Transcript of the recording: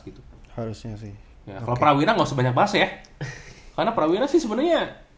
gitu harusnya sih kalau prawira nggak usah banyak bahas ya karena prawira sih sebenarnya